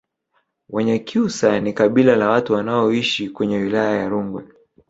Wanyakyusa ni kabila la watu wanaoishi kwenye wilaya ya Rungwe